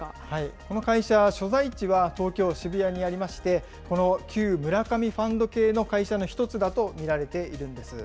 この会社は所在地は東京・渋谷にありまして、この旧村上ファンド系の会社の一つだと見られているんです。